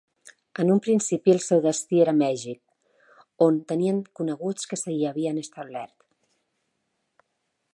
En un principi el seu destí era Mèxic, on tenien coneguts que s'hi havien establert.